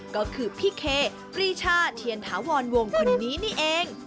ก็คือพี่เคปรีชาเทียนถาวรวงคนนี้นี่เอง